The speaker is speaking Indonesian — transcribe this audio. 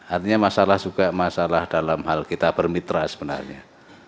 artinya masalah juga masalah dalam hal kita bermitra sebenarnya